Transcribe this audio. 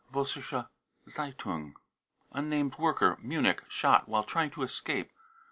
(Vossiscke Z €& un i ) unnamed worker, Munich, shot " while trying to escape."